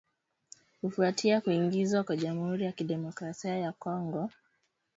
Kufuatia kuingizwa kwa Jamhuri ya Kidemokrasia ya Kongo kuwa mwanachama mpya katika jumuiya hiyo